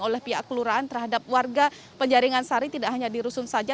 oleh pihak kelurahan terhadap warga penjaringan sari tidak hanya di rusun saja